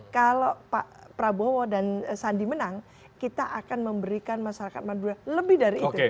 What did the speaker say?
kalau pak prabowo dan sandi menang kita akan memberikan masyarakat madura lebih dari itu